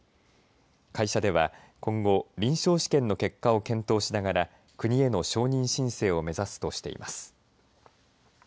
会社では今後臨床試験の結果を検討しながら国への承認申請を目指すとしています。